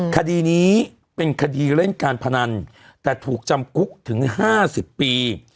คดีนี้เป็นคดีเล่นการพนันแต่ถูกจำคุกถึง๕๐ปี